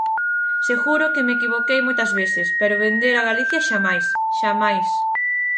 Seguro que me equivoquei moitas veces, pero vender a Galicia xamais, ¡xamais!